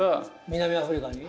南アフリカに？